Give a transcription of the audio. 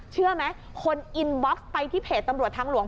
เชื่อไหมคนอินบ็อกซ์ไปที่เพจตำรวจทางหลวง